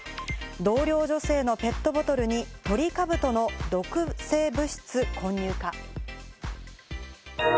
同僚女性のペットボトルにトリカブトの毒性物質混入か？